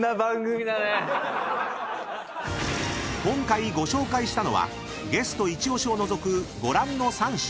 ［今回ご紹介したのはゲスト一押しを除くご覧の３品］